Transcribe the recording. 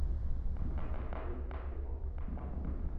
V Cpo.